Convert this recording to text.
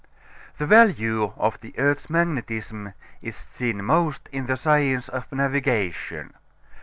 The value of the earth's magnetism is seen most in the science of navigation.